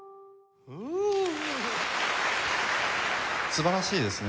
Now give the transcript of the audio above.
素晴らしいですね。